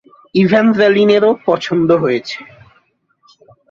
ইভেঞ্জ্যালিনেরও পছন্দ হয়েছে।